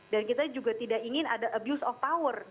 dan kita juga tidak ingin ada abuse of power